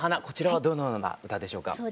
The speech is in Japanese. こちらはどのような歌でしょうか？